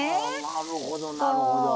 はなるほどなるほど。